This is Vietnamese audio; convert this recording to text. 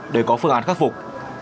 để có phương án khắc phục